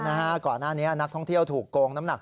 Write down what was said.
ก่อนหน้านี้นักท่องเที่ยวถูกโกงน้ำหนัก